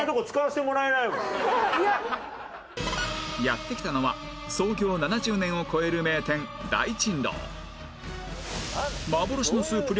やって来たのは創業７０年を超える名店大珍楼